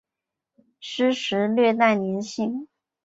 湿时略带黏性。